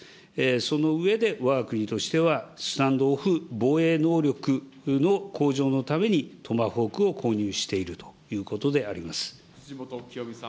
その上で、わが国としては、スタンド・オフ防衛能力の向上のためにトマホークを購入している辻元清美さん。